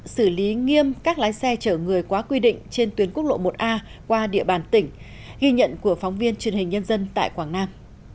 xử lý nghiêm các lái xe chở người quá quy định trên tuyến quốc lộ một a qua địa bàn tỉnh ghi nhận của phóng viên truyền hình nhân dân tại quảng nam